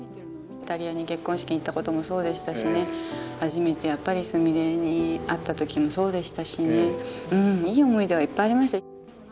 イタリアに結婚式に行ったときもそうでしたしね、初めてやっぱりすみれに会ったときもそうでしたしね、うん、いい思い出はいっぱいありました。